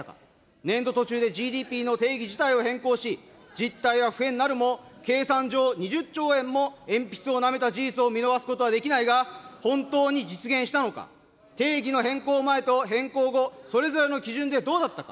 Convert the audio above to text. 年度途中でＧＤＰの定義自体を変更し、実態は不変なるも、計算上、２０兆円も鉛筆をなめた事実を見逃すことはできないが、本当に実現したのか、定義の変更前と変更後、それぞれの基準でどうだったか。